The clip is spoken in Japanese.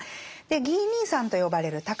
ギー兄さんと呼ばれる隆。